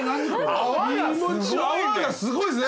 泡がすごいっすね。